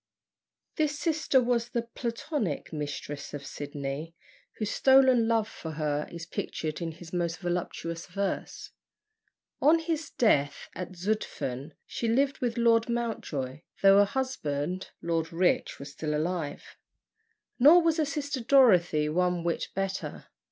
This sister was the (Platonic?) mistress of Sydney, whose stolen love for her is pictured in his most voluptuous verse. On his death at Zütphen, she lived with Lord Montjoy, though her husband, Lord Rich, was still alive. Nor was her sister Dorothy one whit better.